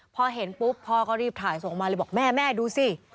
พอเห็นปุ๊บพ่อก็รีบถ่ายส่งมาเลยบอกแม่แม่ดูสิ